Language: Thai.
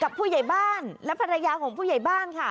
ผู้ใหญ่บ้านและภรรยาของผู้ใหญ่บ้านค่ะ